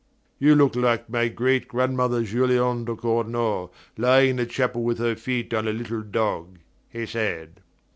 "You look like my great grandmother, Juliane de Cornault, lying in the chapel with her feet on a little dog," he said.